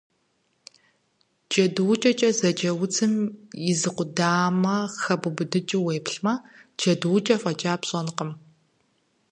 Джэдуукӏэкӏэ зэджэ удзым и зы къудамэ хэбубыдыкӏрэ уеплъмэ, джэдуукӏэ фӏэкӏа пщӏэнкъым.